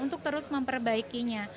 untuk terus memperbaikinya